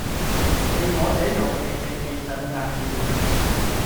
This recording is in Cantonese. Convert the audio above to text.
被我這勇氣正氣鎭壓住了。